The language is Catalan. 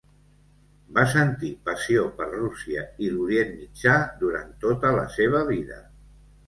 Va sentir passió per Rússia i l'Orient Mitjà durant tota la seva vida.